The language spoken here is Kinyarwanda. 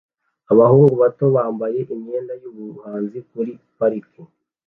Abahungu bato bambaye imyenda yubuhanzi kuri parike